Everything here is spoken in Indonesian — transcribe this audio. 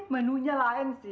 menunya lain sih